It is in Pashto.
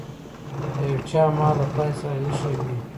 د يو چا مال له تاسې سره ايښی وي.